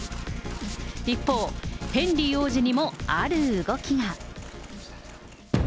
一方、ヘンリー王子にもある動きが。